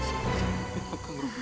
saya tidak tahu rubia